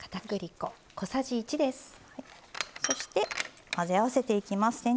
そして混ぜ合わせていきます。